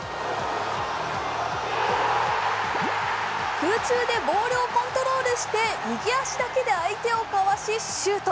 空中でボールをコントロールして、右足だけで相手をかわしシュート。